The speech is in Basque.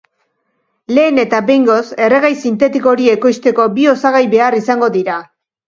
Lehen eta behingoz, erregai sintetiko hori ekoizteko bi osagai behar izango dira.